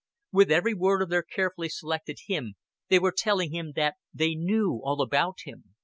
With every word of their carefully selected hymn they were telling him that they knew all about him.